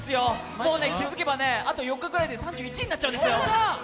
もう気づけばあと４日ぐらいで３１になっちゃうんですよ。